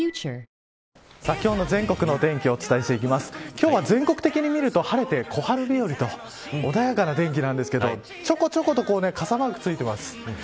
今日は、全国的見ると晴れて小春日和と穏やかな天気なんですけどちょこちょこと傘マークがついています。